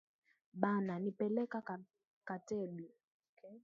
Bana nipeleka katebi